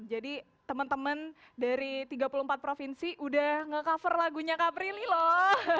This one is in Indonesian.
jadi teman teman dari tiga puluh empat provinsi udah ngecover lagunya kaprili loh